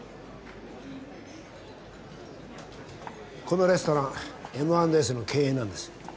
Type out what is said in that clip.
このレストランＭ＆Ｓの経営なんです。